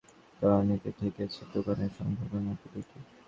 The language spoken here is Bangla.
কিন্তু গতকাল জানা গেল ব্যবসা তলানিতে ঠেকেছে, দোকানের সংখ্যা এখন মাত্র দুটি।